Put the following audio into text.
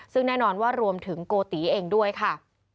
ซึ่งแน่นอนว่ารวมถึงโกติเองด้วยค่ะ